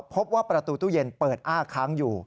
พบว่าประตูตู้เย็นเปิดอ้าค้างอยู่